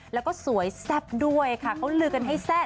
แล้วก็สวยแซ่บด้วยค่ะเขาลือกันให้แซ่บ